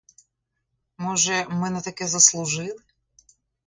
Може, ми на таке заслужили?